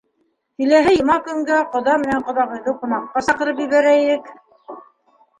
— Киләһе йома көнгә ҡоҙа менән ҡоҙағыйҙы ҡунаҡҡа саҡырып ебәрәйек.